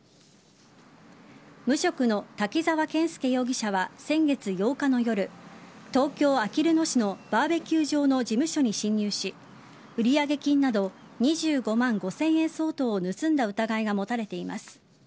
無職の滝沢謙介容疑者は先月８日の夜東京・あきる野市のバーベキュー場の事務所に侵入し売上金など２５万５０００円相当を盗んだ疑いが持たれています。